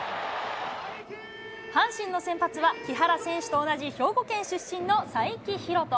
阪神の先発は、木原選手と同じ兵庫県出身の才木浩人。